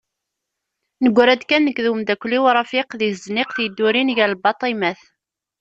Neggra-d kan nekk d umdakel-iw Rafiq deg tezniqt yeddurin gar lbaṭimat.